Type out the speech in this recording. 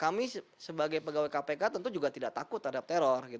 kami sebagai pegawai kpk tentu juga tidak takut terhadap teror